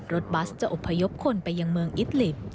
บัสจะอบพยพคนไปยังเมืองอิตลิป